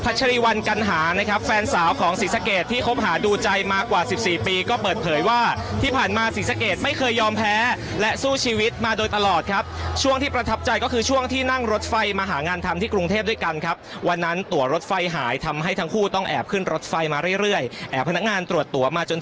ชรีวันกัณหานะครับแฟนสาวของศรีสะเกดที่คบหาดูใจมากว่าสิบสี่ปีก็เปิดเผยว่าที่ผ่านมาศรีสะเกดไม่เคยยอมแพ้และสู้ชีวิตมาโดยตลอดครับช่วงที่ประทับใจก็คือช่วงที่นั่งรถไฟมาหางานทำที่กรุงเทพด้วยกันครับวันนั้นตัวรถไฟหายทำให้ทั้งคู่ต้องแอบขึ้นรถไฟมาเรื่อยแอบพนักงานตรวจต